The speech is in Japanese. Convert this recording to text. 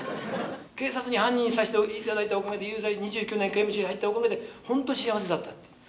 警察に犯人にさして頂いたおかげで有罪で２９年刑務所に入ったおかげでほんと幸せだった。